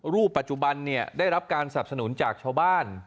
รูปปัจจุบันได้รับการสนับสนุนจากชาวบ้าน